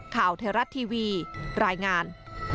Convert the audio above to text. ข่าวเทราะห์ทีวีรายงาน